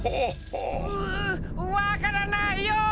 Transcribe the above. うわからないよ。